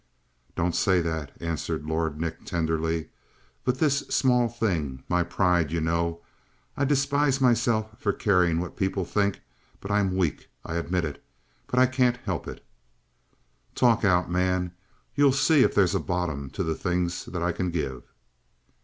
"Don't say that," answered Lord Nick tenderly. "But this small thing my pride, you know I despise myself for caring what people think, but I'm weak. I admit it, but I can't help it." "Talk out, man. You'll see if there's a bottom to things that I can give!"